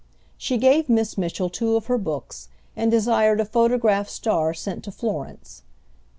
She gave Miss Mitchell two of her books, and desired a photographed star sent to Florence.